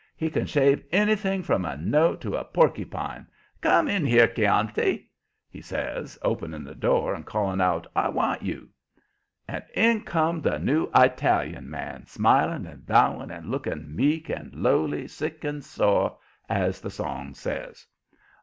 He can shave anything from a note to a porkypine. Come in here, Chianti!" he says, opening the door and calling out. "I want you." And in come the new Italian man, smiling and bowing and looking "meek and lowly, sick and sore," as the song says.